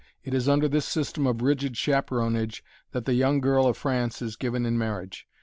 It is under this system of rigid chaperonage that the young girl of France is given in marriage.